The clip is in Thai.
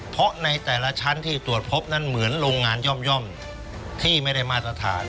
เพราะในแต่ละชั้นที่ตรวจพบนั้นเหมือนโรงงานย่อมที่ไม่ได้มาตรฐาน